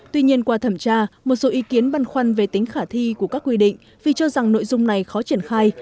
tuy nhiên qua thẩm tra một số ý kiến băn khoăn về tính khả thi của các quy định vì cho rằng nội dung này khó triển khai